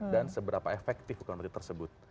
dan seberapa efektif hukuman mati tersebut